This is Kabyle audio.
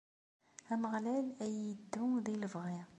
Ameɣlal a iyi-iddu di lebɣi.